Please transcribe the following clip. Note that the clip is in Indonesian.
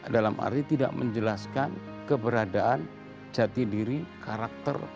dalam arti tidak menjelaskan keberadaan jati diri karakter